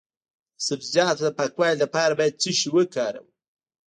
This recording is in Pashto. د سبزیجاتو د پاکوالي لپاره باید څه شی وکاروم؟